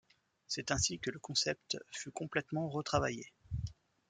C'est ainsi que le concept fut complètement retravaillé.